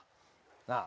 なあ？